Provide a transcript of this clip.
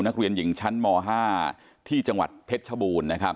นักเรียนหยิงชั้นห๕ที่จังหวัดเพชรชบูรณ์